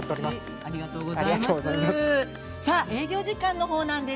◆ありがとうございます。